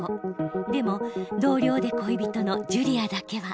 でも同僚で恋人のジュリアだけは。